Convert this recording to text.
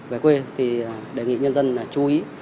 về quê thì đề nghị nhân dân là chú ý